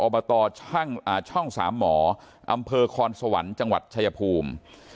อบตช่างอ่าช่องสามหมออำเภอคอนสวรรค์จังหวัดชายภูมิ